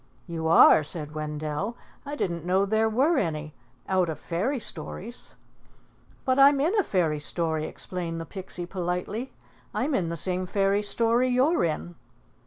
"You are?" said Wendell. "I didn't know there were any out of fairy stories." "But I'm in a fairy story," explained the Pixie politely. "I'm in the same fairy story you're in."